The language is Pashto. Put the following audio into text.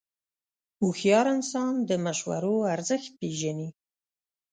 هوښیار انسان د مشورو ارزښت پېژني.